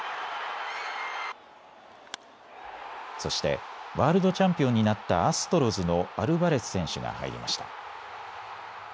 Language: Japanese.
そしてワールドチャンピオンになったアストロズのアルバレス選手が入りました。